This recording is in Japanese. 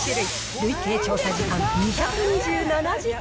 累計調査時間２２７時間。